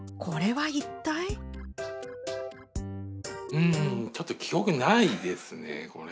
うんちょっと記憶にないですねこれは。